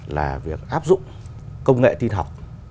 là việc áp dụng công nghệ tin học